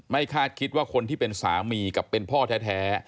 คาดคิดว่าคนที่เป็นสามีกับเป็นพ่อแท้